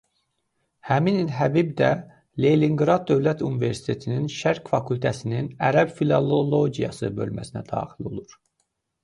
Həmin il Həbib də Leninqrad Dövlət Universitetinin Şərq fakültəsinin ərəb filologiyası bölməsinə daxil olur.